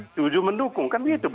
setuju mendukung kan begitu